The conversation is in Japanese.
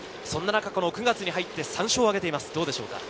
９月に入って３勝を挙げていますね。